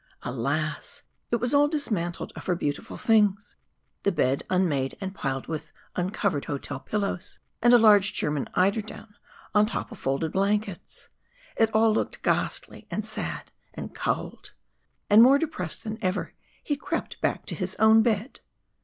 Alas! it was all dismantled of her beautiful things. The bed unmade and piled with uncovered hotel pillows, and a large German eiderdown, on top of folded blankets, it all looked ghastly and sad and cold. And more depressed than ever he crept back to his own bed.